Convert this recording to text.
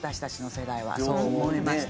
そう思いました。